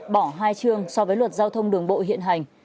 bỏ hai trường so với luật giao thông đường bộ hiện hành